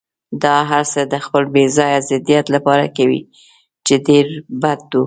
دا هرڅه د خپل بې ځایه ضدیت لپاره کوي، چې ډېر بد و.